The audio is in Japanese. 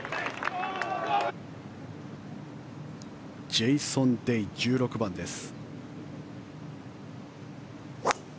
ジェイソン・デイ、１６番です。